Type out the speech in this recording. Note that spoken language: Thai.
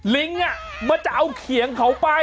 ลิงค์มันจะเอาเขียงเขาไป